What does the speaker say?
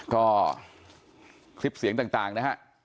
ก็คลิปเสียงต่างนะฮะ